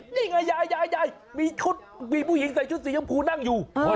นี่ไงยายยายมีผู้หญิงใส่ชุดสีชมพูนั่งอยู่